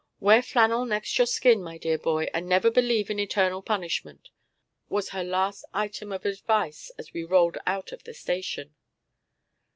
"Wear flannel next your skin, my dear boy, and never believe in eternal punishment," was her last item of advice as we rolled out of the station.